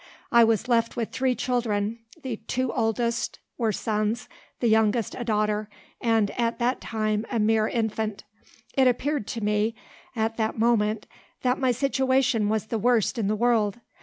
I was left with three children; the two oldest were sons, the youngest a daughter, and, at that time, a mere infant. It appeared to me, at that moment, that my situation was the worst in the world.